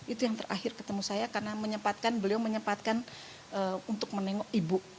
itu yang terakhir ketemu saya karena beliau menyempatkan untuk menengok ibu